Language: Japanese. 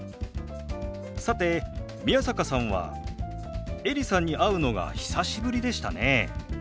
さて宮坂さんはエリさんに会うのが久しぶりでしたね。